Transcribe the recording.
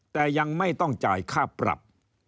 แต่ยังไม่ต้องจ่ายค่าปรับ